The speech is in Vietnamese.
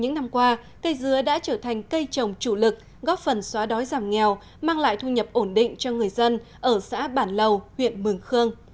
những năm qua cây dứa đã trở thành cây trồng chủ lực góp phần xóa đói giảm nghèo mang lại thu nhập ổn định cho người dân ở xã bản lầu huyện mường khương